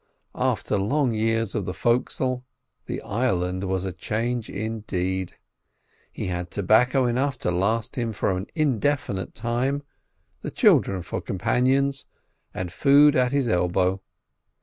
After long years of the fo'cs'le the island was a change indeed. He had tobacco enough to last him for an indefinite time, the children for companions, and food at his elbow.